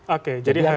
oke jadi harusnya